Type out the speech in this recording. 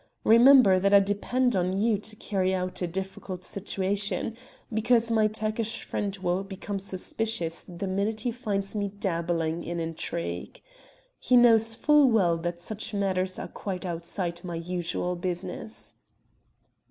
Remember that I depend on you to carry out a difficult situation, because my Turkish friend will become suspicious the minute he finds me dabbling in intrigue. He knows full well that such matters are quite outside of my usual business."